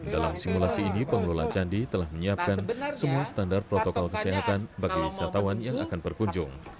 dalam simulasi ini pengelola candi telah menyiapkan semua standar protokol kesehatan bagi wisatawan yang akan berkunjung